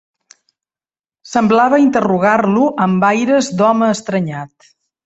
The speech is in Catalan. Semblava interrogar-lo amb aires d'home estranyat.